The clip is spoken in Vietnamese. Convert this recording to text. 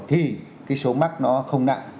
thì cái số mắc nó không nặng